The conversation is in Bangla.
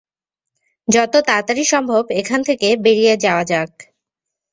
যত তাড়াতাড়ি সম্ভব এখান থেকে বেরিয়ে যাওয়া যাক।